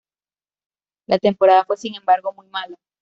La temporada fue sin embargo muy mala.